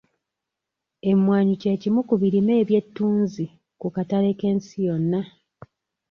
Emmwanyi kye kimu ku birime eby'ettunzi ku katale k'ensi yonna.